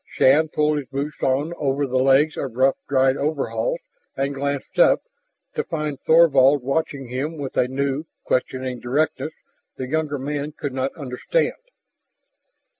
Shann pulled his boots on over the legs of rough dried coveralls and glanced up, to find Thorvald watching him with a new, questioning directness the younger man could not understand.